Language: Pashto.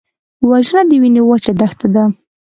وژنه د وینې وچه دښته ده